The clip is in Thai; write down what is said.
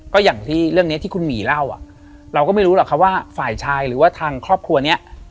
ก็อย่างที่เรื่องนี้ที่คุณหมีเล่าอ่ะเราก็ไม่รู้หรอกครับว่าฝ่ายชายหรือว่าทางครอบครัวเนี้ย